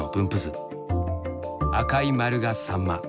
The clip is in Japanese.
赤い丸がサンマ。